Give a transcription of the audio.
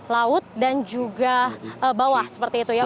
laut dan juga bawah seperti itu ya